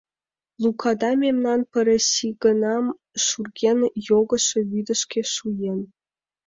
— Лукада мемнан пырысигынам шурген йогышо вӱдышкӧ шуэн